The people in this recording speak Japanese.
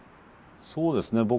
そうですね。